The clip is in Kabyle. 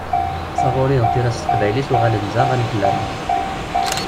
Taɣuri d tira s teqbaylit uɣalen d aɣan fell-aneɣ.